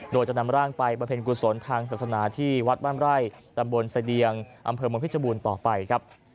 โดยจะนำร่างไปประเพ็ญกุศลทางศาสนาที่วัดบ้านไร่ตำบลเสดียงอำเภอเมืองพิบูรณ์ต่อไปครับ